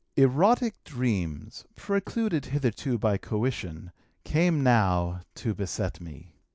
"Erotic dreams, precluded hitherto by coition, came now to beset me.